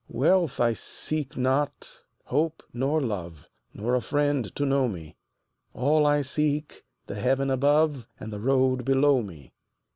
Wealth I seek not, hope nor love, Nor a friend to know me; All I seek, the heaven above And the road below me.